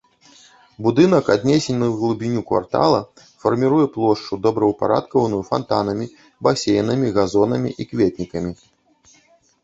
Будынак аднесены ў глыбіню квартала, фарміруе плошчу, добраўпарадкаваную фантанамі, басейнамі, газонамі і кветнікамі.